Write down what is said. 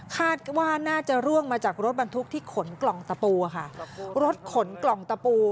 คาดว่าน่าจะร่วงมาจากรถบรรทุกที่ขนกล่องตะปูค่ะรถขนกล่องตะปู